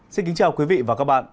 xin kính chào quý vị và các bạn